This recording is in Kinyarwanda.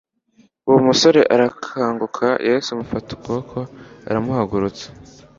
Uwo musore arakanguka, Yesu amufata ukuboko aramuhagurutsa.